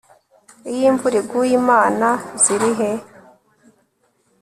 iyo imvura iguye imana zirihe